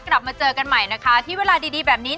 กลับมาเจอกันใหม่นะคะที่เวลาดีดีแบบนี้